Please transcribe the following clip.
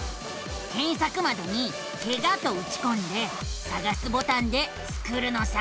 けんさくまどに「ケガ」とうちこんでさがすボタンでスクるのさ！